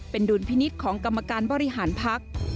เป็นดุลพินิษฐ์ของกรรมการบริหารพัก